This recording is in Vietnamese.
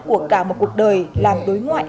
của cả một cuộc đời làm đối ngoại